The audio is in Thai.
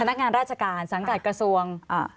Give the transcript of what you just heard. นักงานราชการสังกัดกระทรวงอ่า